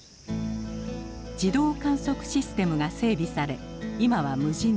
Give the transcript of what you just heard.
自動観測システムが整備され今は無人です。